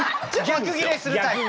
逆ギレするタイプ。